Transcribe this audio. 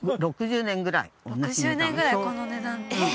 ６０年ぐらいこの値段えっ！？